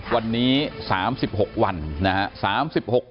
วันนี้๓๖วันนะฮะ